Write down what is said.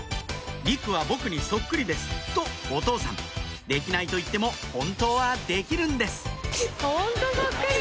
「莉来は僕にそっくりです」とお父さん「できない」と言っても本当はできるんですホントそっくり。